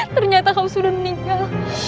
ternyata kamu sudah meninggal